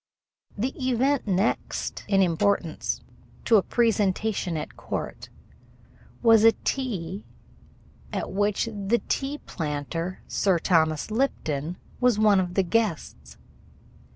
The event next in importance to a presentation at court was a tea at which the tea planter Sir Thomas Lipton was one of the guests.